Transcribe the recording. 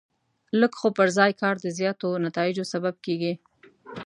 لږ خو پر ځای کار د زیاتو نتایجو سبب کېږي.